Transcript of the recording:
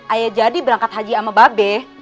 ayah jadi berangkat haji sama babe